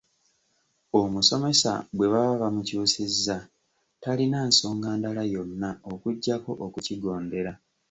Omusomesa bwe baba bamukyusizza talina nsonga ndala yonna okuggyako okukigondera.